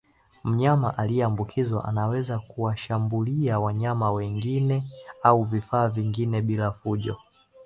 Mnyama aliyeambukizwa anaweza kuwashambulia wanyama wengine au vifaa vingine bila fujo